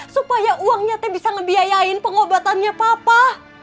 supaya uangnya teh bisa ngebiayain pengobatannya papa